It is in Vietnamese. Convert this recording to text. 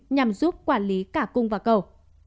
nhằm giúp quản lý cả cung và cầu